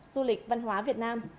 du lịch văn hóa việt nam